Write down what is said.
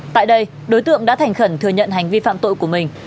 tại đây đối tượng đã thành khẩn thừa nhận hành vi phạm tội của mình